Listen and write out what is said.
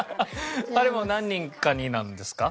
でも何人かになんですか？